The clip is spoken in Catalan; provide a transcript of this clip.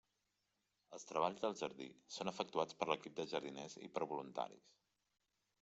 Els treballs del jardí són efectuats per l'equip de jardiners i per voluntaris.